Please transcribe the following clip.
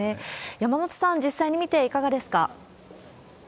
山本さん、実際に見て、いかがですか？